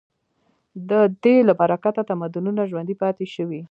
د دې له برکته تمدنونه ژوندي پاتې شوي.